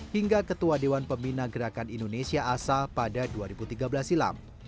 hingga ketua dewan pembina gerakan indonesia asa pada dua ribu tiga belas silam